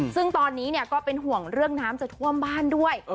ซึ่งตอนนี้ก็เป็นห่วงเรื่องน้ำจะท่วมบ้านด้วย